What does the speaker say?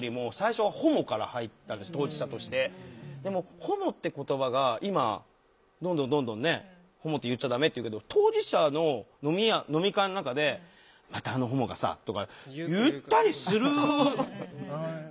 でも「ホモ」って言葉が今どんどんどんどんホモって言っちゃダメって言うけど当事者の飲み会の中で「またあのホモがさ」とか言ったりする。